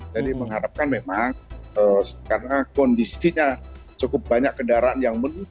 jadi mengharapkan memang karena kondisinya cukup banyak kendaraan yang mengharapkan